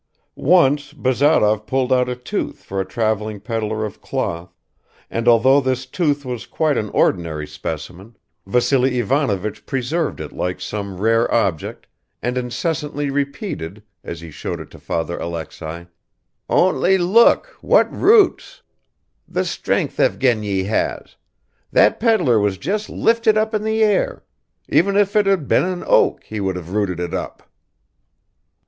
Once Bazarov pulled out a tooth for a traveling pedlar of cloth, and although this tooth was quite an ordinary specimen, Vassily Ivanovich preserved it like some rare object and incessantly repeated, as he showed it to Father Alexei, "Only look, what roots! The strength Evgeny has! That pedlar was just lifted up in the air ... even if it had been an oak, he would have rooted it up!"